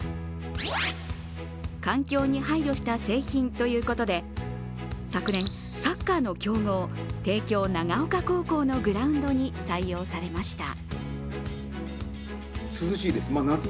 環境に配慮した製品ということで、昨年、サッカーの強豪帝京長岡高校のグラウンドに採用されました。